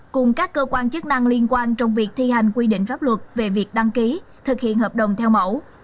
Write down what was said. cùng các cơ quan chức năng liên quan trong việc thi hành quy định pháp luật về việc đăng ký thực hiện hợp đồng theo mẫu